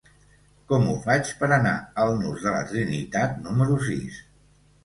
Com ho faig per anar al nus de la Trinitat número sis?